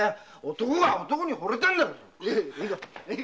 男が男にほれたんだ！